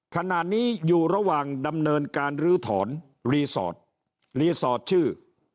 ขณะนี้อยู่ระหว่างดำเนินการลื้อถอนรีสอร์ทรีสอร์ทชื่อ